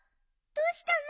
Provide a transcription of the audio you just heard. どうしたの？